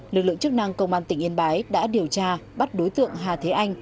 lực lượng chức năng công an tỉnh yên bái đã điều tra bắt đối tượng hà thế anh